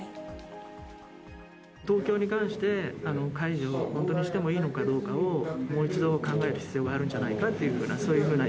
東京に関して、解除、本当にしてもいいのかどうかを、もう一度考える必要があるんじゃないかという、そういうふうな意